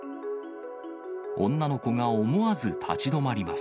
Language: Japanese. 女の子が思わず立ち止まります。